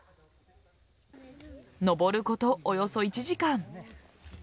登ること、およそ１時間。